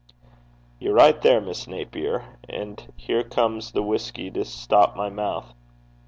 'You're right there, Miss Naper. And here comes the whisky to stop my mouth.'